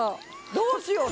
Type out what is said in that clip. どうしよう。